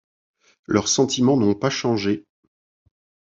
Leurs sentiments n'ont pas changé...